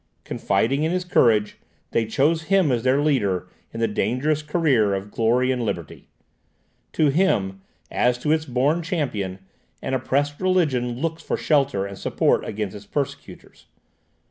Confiding in his courage, they choose him as their leader in the dangerous career of glory and liberty. To him, as to its born champion, an oppressed religion looks for shelter and support against its persecutors.